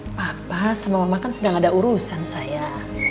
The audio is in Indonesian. papa sama mama kan sedang ada urusan saya